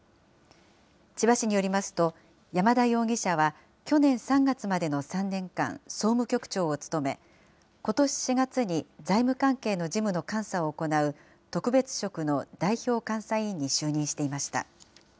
千葉市によりますと、山田容疑者は去年３月までの３年間、総務局長を務め、ことし４月に財務関係の事務の監査を行う特別職の代表監査委員に就任していました。